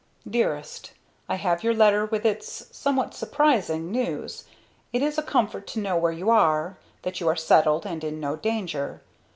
"Dearest: I have your letter with its somewhat surprising news. It is a comfort to know where you are, that you are settled and in no danger.